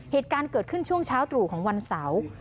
เหตุการณ์เกิดขึ้นช่วงเช้าตรู่ของวันเสาร์